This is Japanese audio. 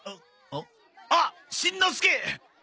あっしんのすけ！